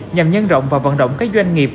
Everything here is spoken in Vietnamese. nhằm nhân rộng và vận động các doanh nghiệp